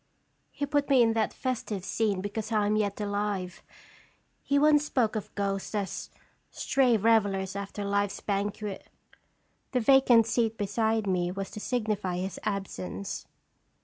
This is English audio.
He put me in that festive scene because I am yet alive. He once spoke of ghosts as stray revelers after life's banquet. The vacant seat beside me was to signify his absence.